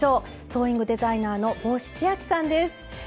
ソーイングデザイナーの帽子千秋さんです。